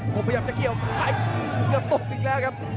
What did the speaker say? ผมพยายามจะเกี่ยวไทยเกือบตกอีกแล้วครับ